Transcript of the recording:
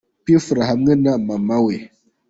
P Fla hamwe na mama we.